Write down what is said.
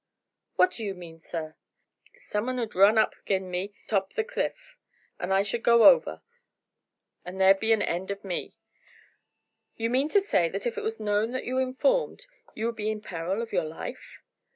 "What do you mean, sir?" "Some un would run up agin me atop o' the cliff, and I should go over, and there'd be an end o' me." "You mean to say that if it was known that you informed, you would be in peril of your life?"